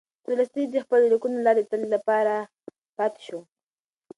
تولستوی د خپلو لیکنو له لارې د تل لپاره پاتې شو.